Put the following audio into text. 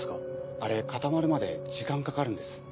あれ固まるまで時間かかるんです。